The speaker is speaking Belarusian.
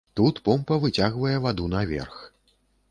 Тут помпа выцягвае ваду наверх.